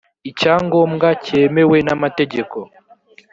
icyangombwa cyemewe n amategeko